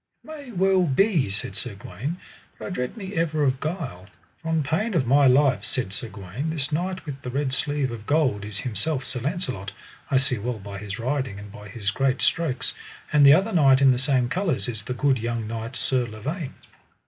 It may well be, said Sir Gawaine, but I dread me ever of guile; for on pain of my life, said Sir Gawaine, this knight with the red sleeve of gold is himself Sir Launcelot, I see well by his riding and by his great strokes; and the other knight in the same colours is the good young knight, Sir Lavaine.